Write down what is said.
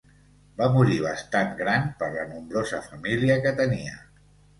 Va morir bastant gran per la nombrosa família que tenia.